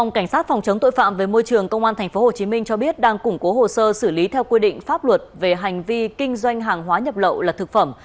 cảnh sát phòng chống tội phạm về môi trường công an tp hcm cho biết đang củng cố hồ sơ xử lý theo quy định pháp luật về hành vi kinh doanh hàng hóa nhập lậu là thực phẩm